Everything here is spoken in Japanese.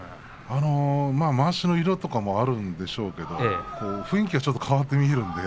まわしの色とかもあんでしょうけれど雰囲気がちょっと変わって見えるので。